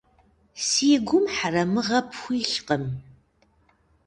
Си гум хьэрэмыгъэ пхуилъкъым.